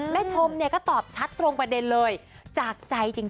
ชมเนี่ยก็ตอบชัดตรงประเด็นเลยจากใจจริง